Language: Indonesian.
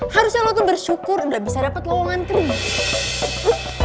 harusnya lo tuh bersyukur udah bisa dapet lowongan krim